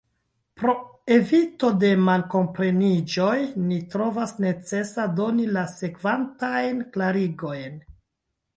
Pro evito de malkompreniĝoj, ni trovas necesa doni la sekvantajn klarigojn.